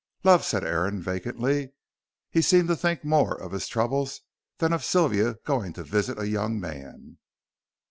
"Love," said Aaron, vacantly. He seemed to think more of his troubles than of Sylvia going to visit a young man.